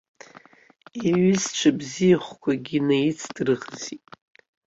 Иҩызцәа бзиахәқәагьы инаицдырӷызит.